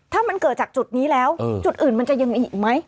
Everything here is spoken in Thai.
ถ้ามันเกิดจากจุดนี้แล้วจุดอื่นมันจะยังมีอีกไหม